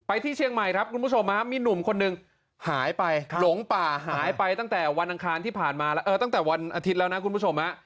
ไปที่เชียงใหม่ครับคุณผู้ชมมีหนุ่มคนหนึ่งหายไปหลงป่าหายไปตั้งแต่วันอาทิตย์แล้วนะคุณผู้ชม